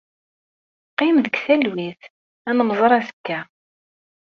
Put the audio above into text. Qqim deg talwit. Ad nemmẓer azekka.